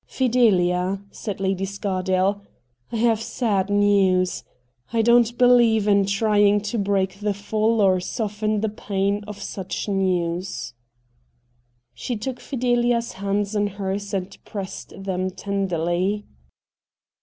' Fidelia,' said Lady Scardale, ' I have sad news — I don't believe in trying to break the fall or soften the pain of such news.' i82 RED DIAMONDS She took Fidelia's hands in hers and pressed them tenderly.